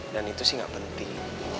dan itu sih gak penting